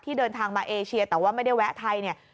ที่เดินทางมาเอเชียแต่ว่าไม่ได้แวะไทย